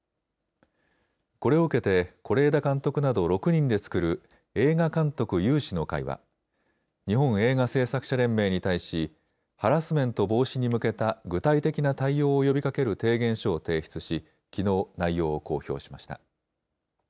これを受けて、是枝監督など６人で作る映画監督有志の会は、日本映画製作者連盟に対し、ハラスメント防止に向けた具体的な対応を呼びかける提言書を提出し、きのう内容を公表しました。